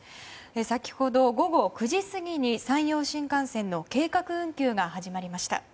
先ほど、午後９時過ぎに山陽新幹線の計画運休が始まりました。